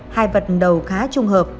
hai vật đầu khá trùng hợp